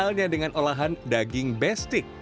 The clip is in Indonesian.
halnya dengan olahan daging bestik